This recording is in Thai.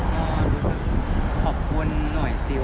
ก็รู้สึกขอบคุณหน่อยสิ